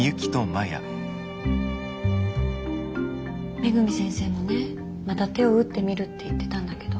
恵先生もねまた手を打ってみるって言ってたんだけど。